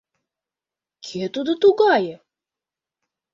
— Кӧ тудо тугае?